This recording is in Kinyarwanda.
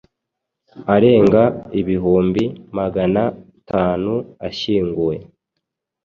arenga ibihumbi magana tanu ashyinguye.